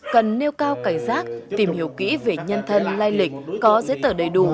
cần nêu cao cảnh giác tìm hiểu kỹ về nhân thân lai lịch có giấy tờ đầy đủ